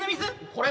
これ？